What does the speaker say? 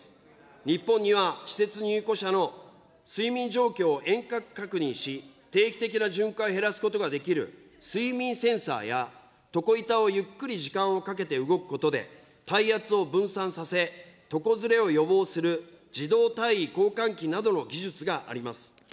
日本には施設入居者の睡眠状況を遠隔確認し、定期的な巡回を減らすことができる睡眠センサーや、床板をゆっくり時間をかけて動くことで、体圧を分散させ、床ずれを予防する自動体位交換器などの技術があります。